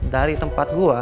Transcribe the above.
dari tempat gue